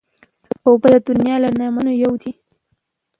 اوبه د دنیا له نعمتونو یو دی.